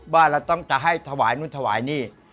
ว่าเราต้องจะให้ถวายนู่นถวายนี่